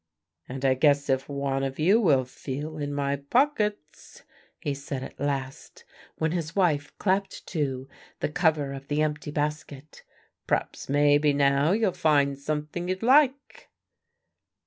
"And I guess if one of you will feel in my pockets," he said at last, when his wife clapped to the cover of the empty basket, "p'raps maybe, now, you'd find something you'd like."